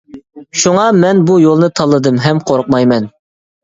شۇڭا مەن بو يولنى تاللىدىم ھەم قورقمايمەن .